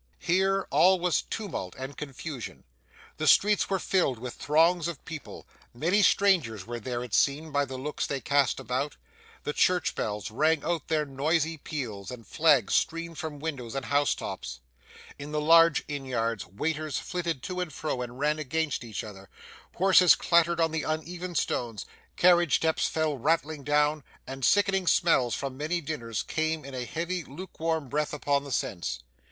Here all was tumult and confusion; the streets were filled with throngs of people many strangers were there, it seemed, by the looks they cast about the church bells rang out their noisy peals, and flags streamed from windows and house tops. In the large inn yards waiters flitted to and fro and ran against each other, horses clattered on the uneven stones, carriage steps fell rattling down, and sickening smells from many dinners came in a heavy lukewarm breath upon the sense.